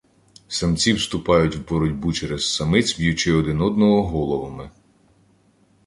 Самці вступають в боротьбу через самиць, б'ючи один одного головами.